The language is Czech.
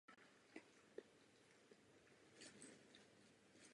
Ocitne se na suchu a je donucen pít vlastní moč.